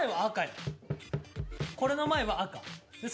これの前は赤よ。